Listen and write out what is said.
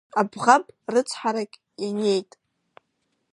Абӷаб рыцҳарак ианиеит…